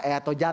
eh atau jangan